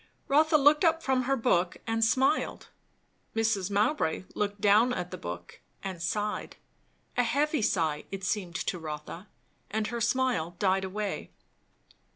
Rotha looked up from her book and smiled. Mrs. Mowbray looked down at the book and sighed. A heavy sigh, it seemed to Rotha, and her smile died away.